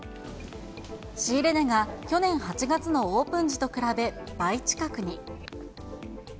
仕入れ値が、去年８月のオープン時と比べ倍近くに。